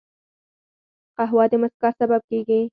قهوه د مسکا سبب کېږي